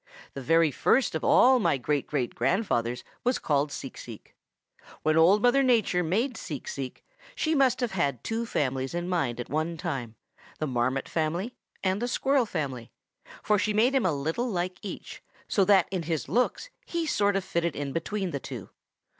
The very first of all my great great grandfathers was called Seek Seek. When Old Mother Nature made Seek Seek she must have had two families in mind at one time, the Marmot family and the Squirrel family, for she made him a little like each, so that in his looks he sort of fitted in between the two.